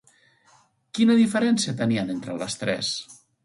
Quina diferència tenien entre les tres?